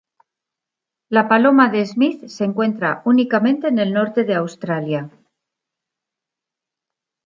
La paloma de Smith se encuentra únicamente en el norte de Australia.